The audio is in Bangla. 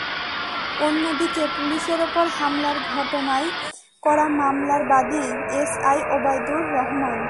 অন্যদিকে, পুলিশের ওপর হামলার ঘটনায় করা মামলার বাদী এসআই ওবায়দুর রহমান।